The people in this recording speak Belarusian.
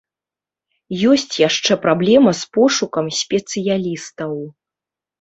Ёсць яшчэ праблема з пошукам спецыялістаў.